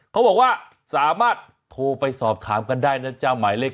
เขาบอกว่าสามารถโทรไปสอบถามกันได้นะจ๊ะหมายเลข